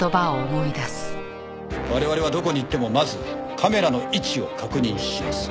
我々はどこに行ってもまずカメラの位置を確認します。